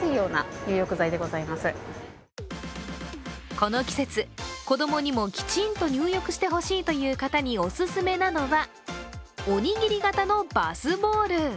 この季節、子供にもきちんと入浴してほしいという方におすすめなのは、おにぎり型のバスボール。